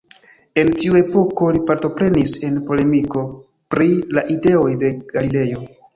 En tiu epoko li partoprenis en polemiko pri la ideoj de Galilejo.